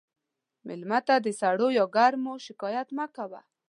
مېلمه ته د سړو یا ګرمو شکایت مه کوه.